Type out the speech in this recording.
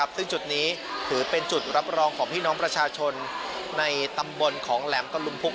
ซึ่งจุดนี้ถือเป็นจุดรับรองของพี่น้องประชาชนในตำบลของแหลมตะลุมพุก